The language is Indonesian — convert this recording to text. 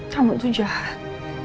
kamu tuh jahat